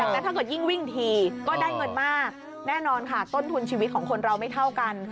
แต่ถ้าเกิดยิ่งวิ่งทีก็ได้เงินมากแน่นอนค่ะต้นทุนชีวิตของคนเราไม่เท่ากัน